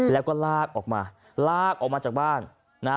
แล้วก็ลากออกมาลากออกมาจากบ้าน